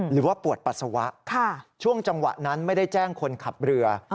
หรือว่าปวดปัสสาวะช่วงจังหวะนั้นไม่ได้แจ้งคนขับเรือ